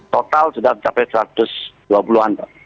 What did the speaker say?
total sudah sampai satu ratus dua puluh an